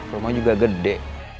rumahnya juga gede